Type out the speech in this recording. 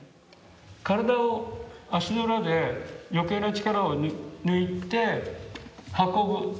身体を足の裏で余計な力を抜いて運ぶ。